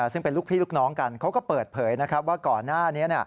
ซึ่งเป็นลูกพี่ลูกน้องกันเขาก็เปิดเผยว่าก่อนหน้านี้